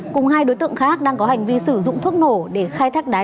cùng hai đối tượng khác đang có hành vi sử dụng thuốc nổ để khai thác đá